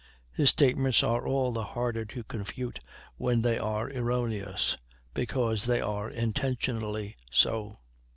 His statements are all the harder to confute when they are erroneous, because they are intentionally so.